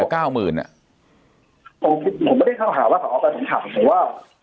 ไปก้าวหมื่นอ่ะผมไม่ได้ค้าว่าฉันถามว่า